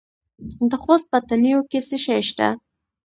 د خوست په تڼیو کې څه شی شته؟